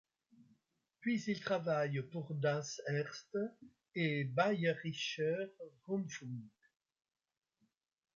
Puis il travaille pour Das Erste et Bayerischer Rundfunk.